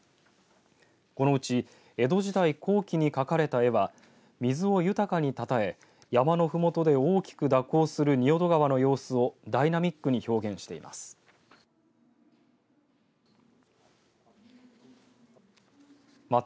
このうち江戸時代後期に描かれた絵は水を豊かにたたえ山のふもとで大きく蛇行する仁淀川の様子をダイナミックに表現しています。